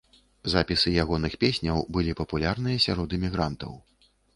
Запісы ягоных песняў былі папулярныя сярод эмігрантаў.